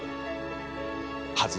はず？